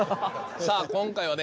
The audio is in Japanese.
さあ今回はね